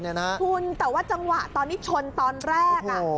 คุณแต่ว่าจังหวะตอนที่ชนตอนแรก